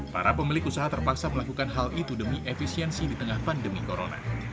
para pemilik usaha terpaksa melakukan hal itu demi efisiensi di tengah pandemi corona